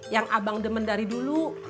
yang abang demen dari dulu